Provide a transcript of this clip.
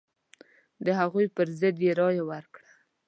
د هغوی پر ضد یې رايه ورکړه.